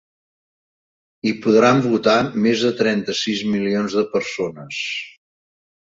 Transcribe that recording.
Hi podran votar més de trenta-sis milions de persones.